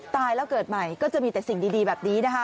ตายแล้วเกิดใหม่ก็จะมีแต่สิ่งดีแบบนี้นะคะ